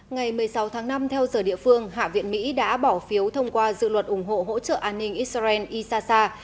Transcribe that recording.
ngày một mươi sáu tháng năm theo giờ địa phương hạ viện mỹ đã bỏ phiếu thông qua dự luật ủng hộ hỗ trợ an ninh israel isasa